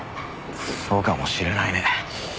そうかもしれないね。